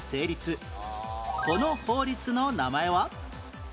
この法律の名前は？